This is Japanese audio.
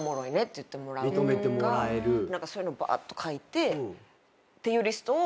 何かそういうのバーっと書いてっていうリストを。